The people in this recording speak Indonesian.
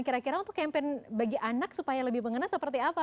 kira kira untuk campaign bagi anak supaya lebih mengenal seperti apa